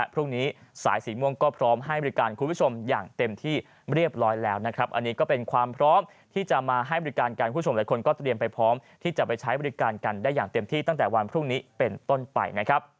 ไปใช้บริการกันได้อย่างเตรียมที่ตั้งแต่วันพรุ่งนี้เป็นต้นไปนะครับ